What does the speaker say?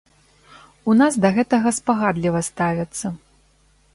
У нас да гэтага спагадліва ставяцца.